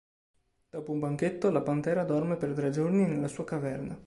Dopo un banchetto, la pantera dorme per tre giorni nella sua caverna.